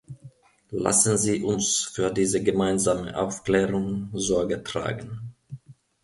Lassen Sie uns für diese gemeinsame Aufklärung Sorge tragen.